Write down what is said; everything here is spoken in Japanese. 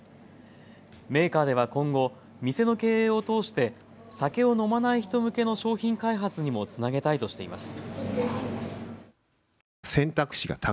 メーカーでは今後、店の経営を通して酒を飲まない人向けの商品開発にもつなげたいとしています。